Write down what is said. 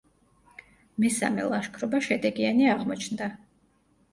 მესამე ლაშქრობა შედეგიანი აღმოჩნდა.